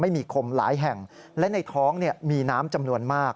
ไม่มีคมหลายแห่งและในท้องมีน้ำจำนวนมาก